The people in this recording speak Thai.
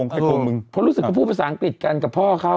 ไปทวงมึงเพราะรู้สึกเขาพูดภาษาอังกฤษกันกับพ่อเขา